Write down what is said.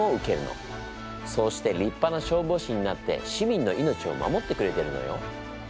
そうしてりっぱな消防士になって市民の命を守ってくれてるのよ。